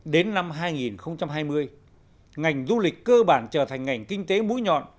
đến năm hai nghìn hai mươi ngành du lịch cơ bản trở thành ngành kinh tế mũi nhọn